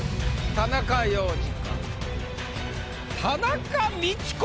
田中要次！